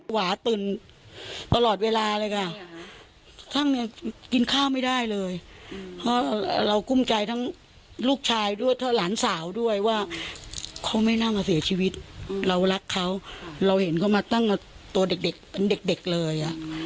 หวาตื่นตลอดเวลาเลยค่ะช่างเนี่ยกินข้าวไม่ได้เลยเพราะเรากุ้มใจทั้งลูกชายด้วยทั้งหลานสาวด้วยว่าเขาไม่นั่งมาเสียชีวิตเรารักเขาเราเห็นเขามาตั้งตัวเด็กเป็นเด็กเลย